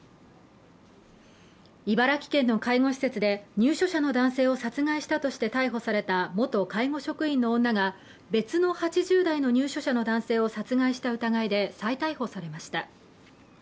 茨城県の介護施設で入所者の男性を殺害したとして再逮捕された元介護職員の女が別の８０代の入所者の男性を殺害した疑いで再逮捕されました。